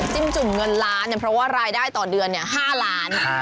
จิ้มจุ่มเงินล้านเพราะว่ารายได้ต่อเดือน๕ล้าน